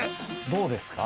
どうですか？